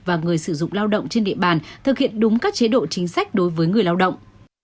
và người sử dụng lao động trên địa bàn thực hiện đúng các chế độ chính sách đối với người lao động